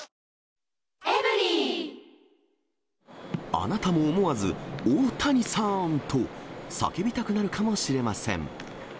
あなたも思わず、大谷さーんと叫びたくなるかもしれません。